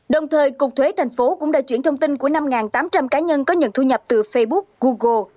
đồng thời cục thuế thành phố cũng đã chuyển thông tin của năm tám trăm linh cá nhân có nhận thu nhập từ facebook google